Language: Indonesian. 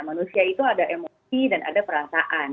manusia itu ada emosi dan ada perasaan